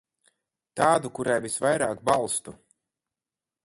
Tādu, kurai visvairāk balstu.